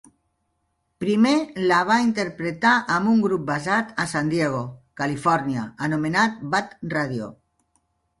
Primer la va interpretar amb un grup basat a San Diego, Califòrnia, anomenat Bad Radio.